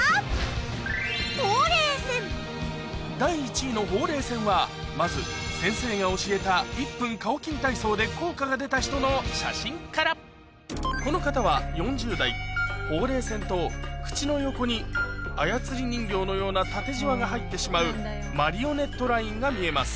第１位のほうれい線はまず先生が教えた１分カオキン体操で効果が出た人の写真からほうれい線と口の横に操り人形のような縦ジワが入ってしまうマリオネットラインが見えます